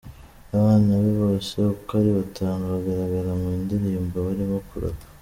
Abana be bose uko ari batanu, bagaragara mu ndirimbo barimo kurapa.